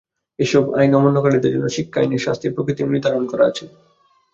এসব আইন অমান্যকারীদের জন্য শিক্ষা আইনে শাস্তির প্রকৃতিও নির্ধারণ করা আছে।